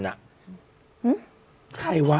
ใครวะ